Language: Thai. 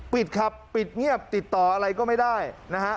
ปิดครับปิดเงียบติดต่ออะไรก็ไม่ได้นะฮะ